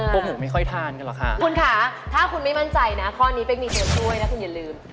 พวกหมูไม่ค่อยทานกันหรอกค่ะคุณค่ะถ้าคุณไม่มั่นใจนะข้อนี้เป๊กมีตัวช่วยนะคุณอย่าลืม